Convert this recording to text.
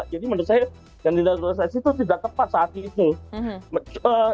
jadi menurut saya yang di naturalisasi itu tidak tepat saat itu